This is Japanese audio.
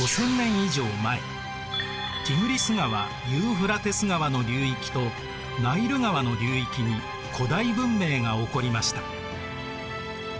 以上前ティグリス川ユーフラテス川の流域とナイル川の流域に古代文明が起こりました。